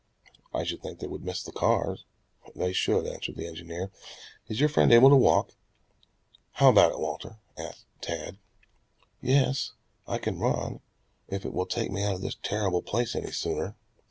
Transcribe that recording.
"I should think they would miss the cars." "They should," answered the engineer. "Is your friend able to walk?" "How about it, Walter?" called Tad. "Yes, I can run if it will take me out of this terrible place any sooner."